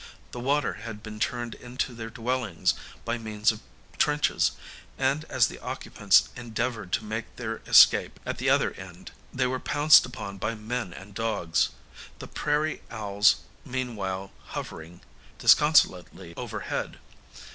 The water had been turned into their dwellings by means of trenches, and as the occupants endeavoured to make their escape at the other end they were pounced upon by men and dogs; the prairie owls meanwhile hovering disconsolately overhead.